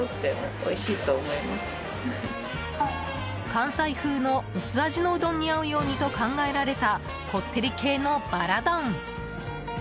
関西風の薄味のうどんに合うようにと考えられたこってり系のバラ丼。